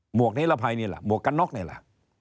หมวกนี้ละไพนี่ละหมวกกันน๊อกนี้ละ